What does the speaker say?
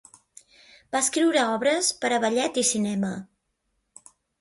Va escriure obres per a ballet i cinema.